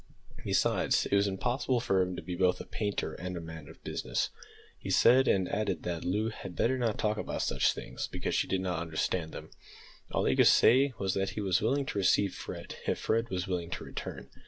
Besides, it was impossible for him to be both a painter and a man of business, he said, and added that Loo had better not talk about such things, because she did not understand them. All he could say was that he was willing to receive Fred, if Fred was willing to return.